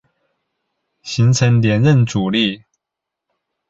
形成连任阻力。